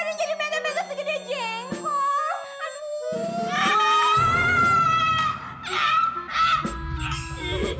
ini gak bisa bikin badan jadi batin batin segede jengkol